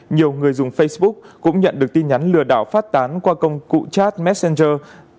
nhiều người dùng facebook cũng nhận được tin nhắn lừa đảo phát tán qua công cụ chat messenger